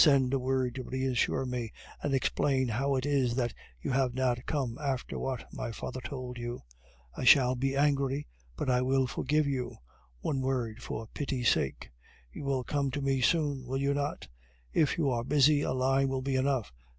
Send a word to reassure me, and explain how it is that you have not come after what my father told you. I shall be angry, but I will forgive you. One word, for pity's sake. You will come to me soon, will you not? If you are busy, a line will be enough.